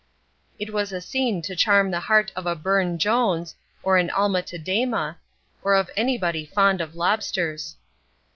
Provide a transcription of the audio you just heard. It was a scene to charm the heart of a Burne Jones, or an Alma Tadema, or of anybody fond of lobsters.